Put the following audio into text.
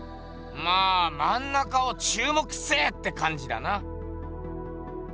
まあ「まん中を注目せい！」ってかんじだな。